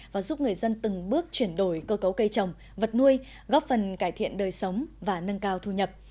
và giúp người dân từng bước chuyển đổi cơ cấu cây trồng vật nuôi góp phần cải thiện đời sống và nâng cao thu nhập